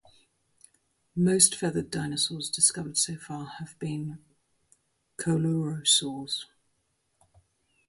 Most feathered dinosaurs discovered so far have been coelurosaurs.